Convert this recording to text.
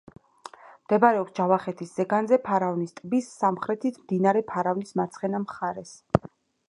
მდებარეობს ჯავახეთის ზეგანზე, ფარავნის ტბის სამხრეთით, მდინარე ფარავნის მარცხენა მხარეს.